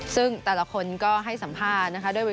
ซึ่งแต่ละคนก็ให้สัมภาษณ์นะคะ